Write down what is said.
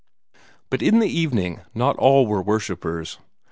But in the evening not all were worshippers.